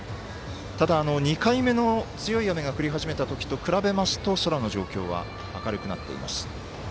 ただ、２回目の強い雨が降り始めた時と比べますと空の状況は明るくなっています。